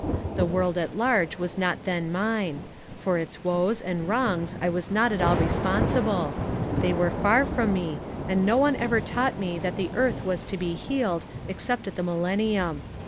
The world at large was not then miue; for its woes and wrongs I was not at all responsible ; they were far from i me, and no one ever taught me Uiat the earth was to be healed I except at the millennium.